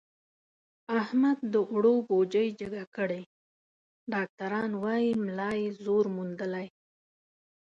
احمد د اوړو بوجۍ جګه کړې، ډاکټران وایي ملا یې زور موندلی.